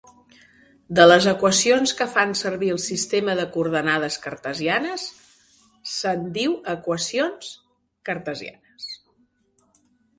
De les equacions que fan servir el sistema de coordenades cartesianes se'n diu equacions cartesianes.